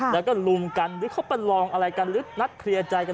แล้วก็ลุมกันหรือเขาประลองอะไรกันหรือนัดเคลียร์ใจกัน